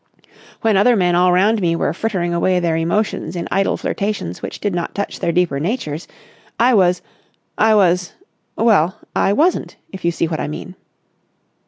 When other men all round me were frittering away their emotions in idle flirtations which did not touch their deeper natures, I was ... I was ... well, I wasn't, if you see what I mean."